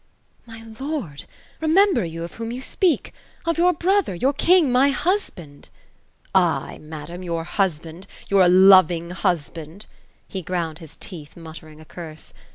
My lord ! Remember you of whom you speak ? Of your brother, your king, my husband !"" Ay, madam — your husband — ^your * loving husband !'" He ground his teeth, .muttering a curse.